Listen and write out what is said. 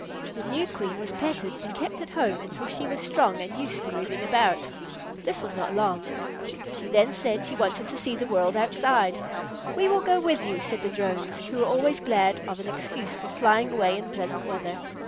The new Queen was petted and kept at home until she was strong and used to moving about. That was not long. Then she said she wanted to see the world outside. "We will go with you," said the Drones, who were always glad of an excuse for flying away in pleasant weather.